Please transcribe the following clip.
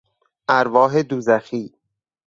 ارواح دوزخی